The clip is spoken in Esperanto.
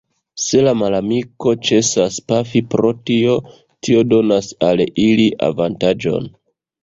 Se la malamiko ĉesas pafi pro tio, tio donas al ili avantaĝon.